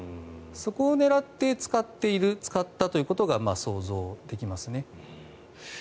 そこを狙って使ったということが想像できますね。